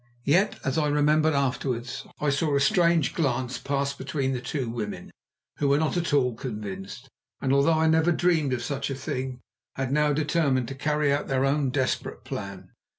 Yet, as I remembered afterwards, I saw a strange glance pass between the two women, who were not at all convinced, and, although I never dreamed of such a thing, had now determined to carry out their own desperate plan.